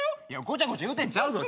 ごちゃごちゃ言うてんちゃうぞ。